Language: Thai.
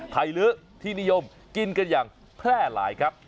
ลื้อที่นิยมกินกันอย่างแพร่หลายครับ